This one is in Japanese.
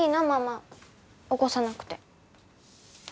ママ起こさなくて。